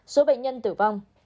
ba số bệnh nhân tử vong